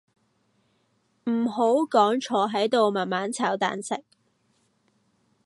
唔好講坐喺度慢慢炒蛋食